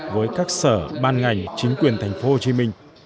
với các sở ban ngành chính quyền tp hcm